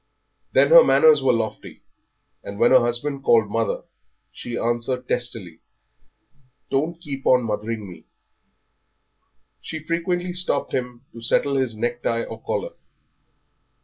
Then her manners were lofty, and when her husband called "Mother," she answered testily, "Don't keep on mothering me." She frequently stopped him to settle his necktie or collar.